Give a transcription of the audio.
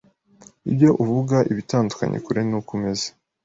ibyo uvuga ibitandukanye kure n’uko umeze